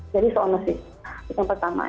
jadi soonosis itu yang pertama